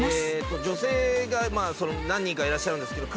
女性が何人かいらっしゃるんですけど。